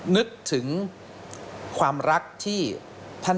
นึกถึงอะไรมากที่สุด